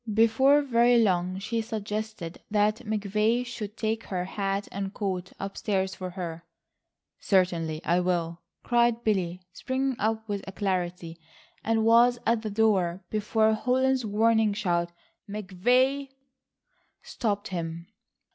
Before very long she suggested that McVay should take her hat and coat upstairs for her. "Certainly I will," cried Billy, springing up with alacrity, and was at the door before Holland's warning shout "McVay" stopped him.